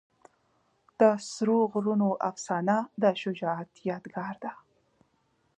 د سرو غرونو افسانه د شجاعت یادګار ده.